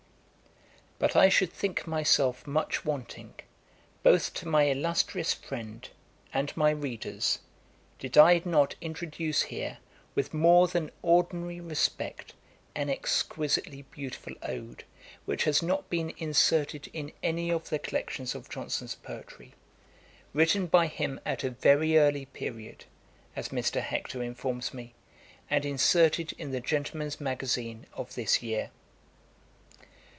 A.D. 1743.] But I should think myself much wanting, both to my illustrious friend and my readers, did I not introduce here, with more than ordinary respect, an exquisitely beautiful Ode, which has not been inserted in any of the collections of Johnson's poetry, written by him at a very early period, as Mr. Hector informs me, and inserted in the Gentleman's Magazine of this year.